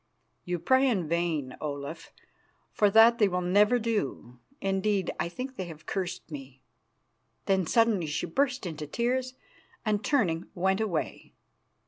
"You pray in vain, Olaf, for that they will never do. Indeed, I think that they have cursed me." Then suddenly she burst into tears, and, turning, went away.